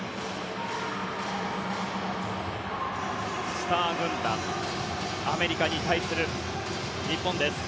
スター軍団アメリカに対する日本です。